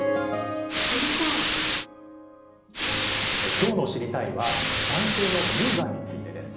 きょうの知りたいッ！は男性の乳がんについてです。